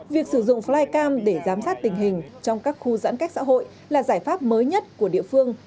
việc sử dụng flycam để giám sát tình hình trong các khu giãn cách xã hội là giải pháp mới nhất của địa phương